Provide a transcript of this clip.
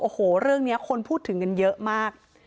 โอ้โหเรื่องนี้คนพูดถึงกันเยอะมาก